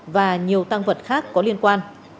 và nhiều tăng vật khác có liên quan